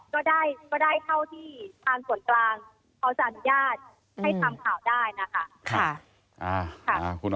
ก็ได้เท่าที่ทางส่วนกลางเขาจะอนุญาตให้ทำข่าวได้นะคะ